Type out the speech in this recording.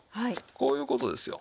こういう事ですよ。